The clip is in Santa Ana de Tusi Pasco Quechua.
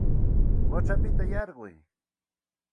Quchapita yarquy